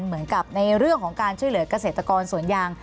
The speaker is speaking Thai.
เหมือนกับในเรื่องของการช่วยเหลือกเกษตรกรสวนยาง